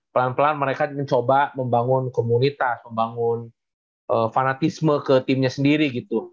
pelan pelan mereka mencoba membangun komunitas membangun fanatisme ke timnya sendiri gitu